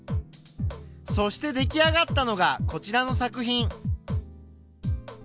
そして出来上がったのがこちらの作品。